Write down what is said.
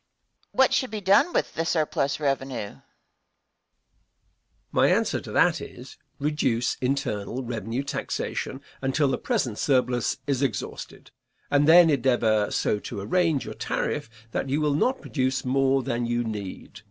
Question. What should be done with the surplus revenue? Answer. My answer to that is, reduce internal revenue taxation until the present surplus is exhausted, and then endeavor so to arrange your tariff that you will not produce more than you need.